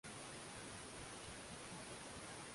kuanzia mwaka elfu moja mia tisa na tano